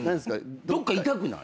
どっか痛くない？